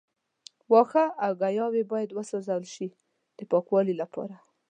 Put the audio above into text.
وښه او ګیاوې باید وسوځول شي د پاکوالي لپاره.